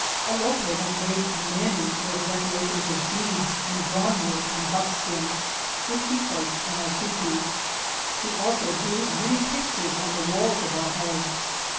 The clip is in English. Alope had made many little deco rations of beads 3 and drawn work on buck skin, which she placed in our tepee. She also drew many pictures on the walls of our home.